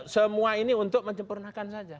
semua ini untuk menyempurnakan saja